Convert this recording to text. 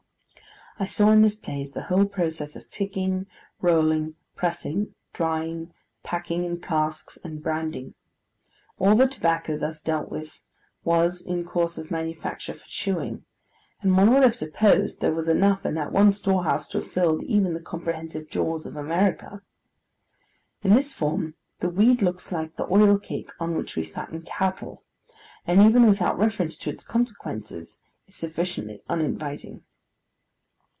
I saw in this place the whole process of picking, rolling, pressing, drying, packing in casks, and branding. All the tobacco thus dealt with, was in course of manufacture for chewing; and one would have supposed there was enough in that one storehouse to have filled even the comprehensive jaws of America. In this form, the weed looks like the oil cake on which we fatten cattle; and even without reference to its consequences, is sufficiently uninviting.